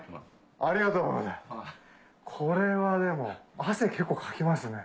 これはでも汗結構かきますね。